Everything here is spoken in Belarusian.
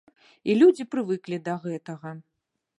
І людзі прывыклі да гэтага.